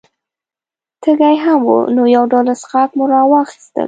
تږي هم وو، نو یو ډول څښاک مو را واخیستل.